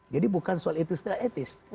jadi bukan soal etis tidak etis